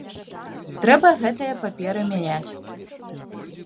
Трэба гэтыя паперы мяняць.